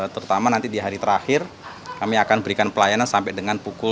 terutama nanti di hari terakhir kami akan berikan pelayanan sampai dengan pukul dua puluh tiga lima puluh sembilan